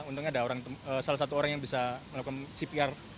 untungnya ada salah satu orang yang bisa melakukan cpr